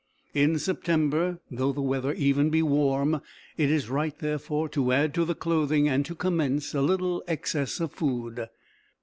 In September, though the weather even be warm, it is right, therefore, to add to the clothing and to commence a little excess of food.